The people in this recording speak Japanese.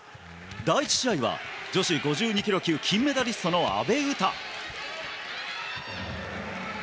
第１試合は女子５２ｋｇ級金メダリストの阿部詩。